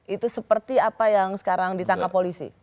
itu seperti apa yang sekarang ditangkap polisi